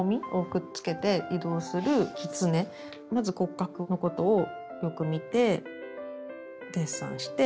まず骨格のことをよく見てデッサンして。